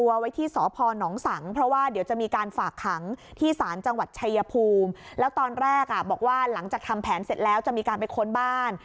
ว่าหลังจากทำแผนเสร็จแล้วจะมีการไปค้นบ้าน